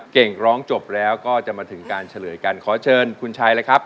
เก่งร้องจบแล้วก็จะมาถึงการเฉลยกันขอเชิญคุณชายเลยครับ